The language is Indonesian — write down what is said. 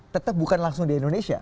tetap bukan langsung di indonesia